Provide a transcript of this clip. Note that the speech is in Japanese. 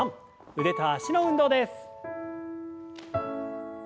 腕と脚の運動です。